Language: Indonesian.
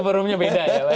keberumnya beda ya pak